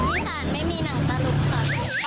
อีสานไม่มีหนังตะลุงค่ะ